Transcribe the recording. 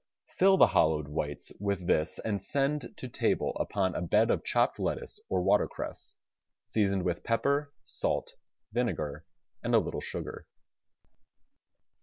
Fill the hollowed whites with this and send to table upon a bed of chopped lettuce or water cress, seasoned with pepper, salt, vinegar and a little sugar.